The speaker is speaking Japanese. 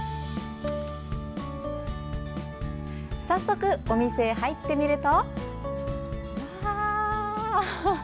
早速、お店へ入ってみると。